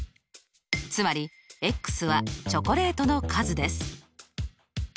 つまりはチョコレートの数です。